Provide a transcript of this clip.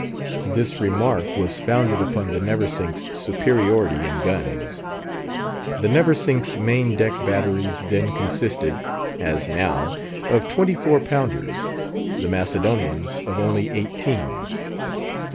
This remark was founded upon the Neversink's superiority in guns. The Neversink's main deck batteries then consisted, as now, of twenty four pounders; the Macedonian's of only eighteens.